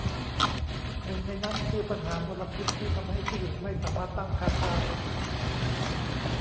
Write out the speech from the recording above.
หนึ่งในนั้นคือปัญหามลพิษที่ทำให้ผู้หญิงไม่สามารถตั้งครรภ์ได้